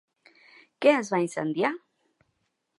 Què es va incendiar?